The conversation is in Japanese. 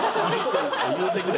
言うてくれ。